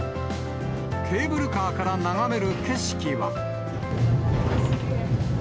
ケーブルカーから眺める景色は。